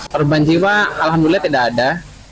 korban jiwa alhamdulillah tidak ada